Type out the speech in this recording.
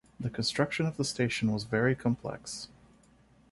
The construction of the station was very complex.